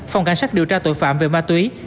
phòng cảnh sát điều tra tội phạm về ma túy